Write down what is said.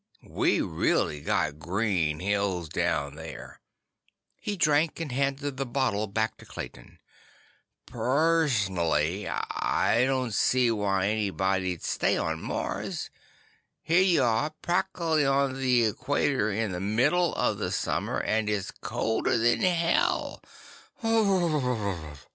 We really got green hills down there." He drank, and handed the bottle back to Clayton. "Pers nally, I don't see why anybody'd stay on Mars. Here y'are, practic'ly on the equator in the middle of the summer, and it's colder than hell.